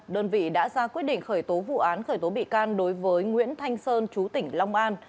đơn vị đã ra quyết định khởi tố vụ án khởi tố bị can đối với nguyễn thanh sơn chú tỉnh long an